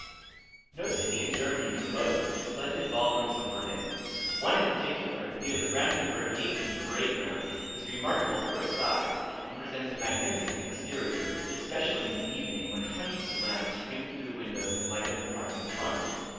"No city in Germany can boast of the splendid ball rooms of Berlin. One in particular, near the Brandenburg gate and the Parade ground, is remarkable for its size, and presents a magnificent exterior, especially in the evening, when hundreds of lamps stream through the windows and light up the park in front.